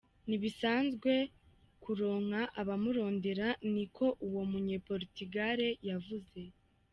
Ni ibisanzwe kuronka abamurondera," ni ko uwo munye Portugal yavuze.